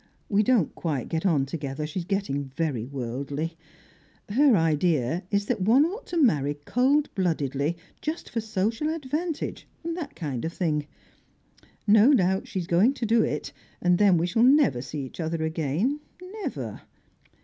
We don't quite get on together; she's getting very worldly. Her idea is that one ought to marry cold bloodedly, just for social advantage, and that kind of thing. No doubt she's going to do it, and then we shall never see each other again, never!